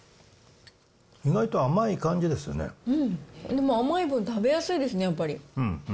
でも甘い分、食べやすいですね、やっぱり。